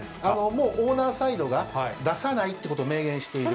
もう、オーナーサイドが出さないってこと明言している。